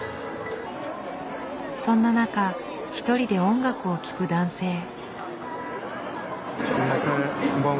そんな中一人で音楽を聴く男性。